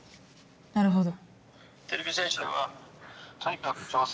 なるほど。